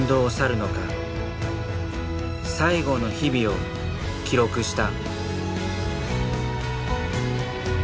最後の日々を記録した。